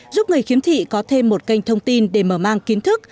giúp người khiếm thị có thêm một kênh thông tin để mở mang kiến thức